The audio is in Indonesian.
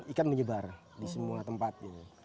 ikan menyebar di semua tempat